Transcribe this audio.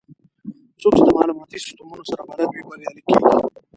څوک چې د معلوماتي سیستمونو سره بلد وي، بریالي کېږي.